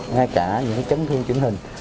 ngay cả những chấn thương chứng hình